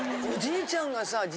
おじいちゃんがさ